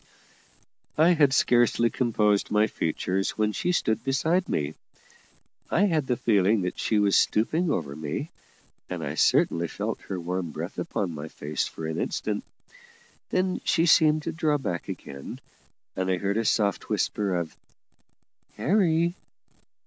I had scarcely composed my features when she stood beside me. I had the feeling that she was stooping over me, and I certainly felt her warm breath upon my face for an instant; then she seemed to draw back again, and I heard a soft whisper of "Harry."